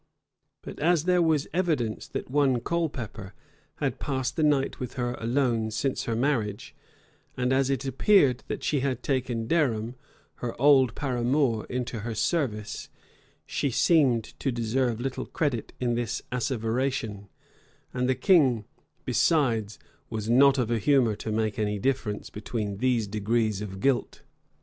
But as there was evidence that one Colepepper had passed the night with her alone since her marriage; and as it appeared that she had taken Derham, her old paramour, into her service, she seemed to deserve little credit in this asseveration; and the king, besides, was not of a humor to make any difference between these degrees of guilt.